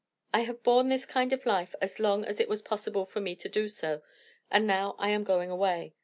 I have borne this kind of life as long as it was possible for me to do so, and now I am going away.